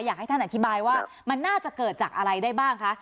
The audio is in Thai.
อยากให้ท่านอธิบายว่ามันน่าจะเกิดจากอะไรได้บ้างคะ